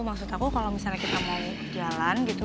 maksud aku kalau misalnya kita mau jalan gitu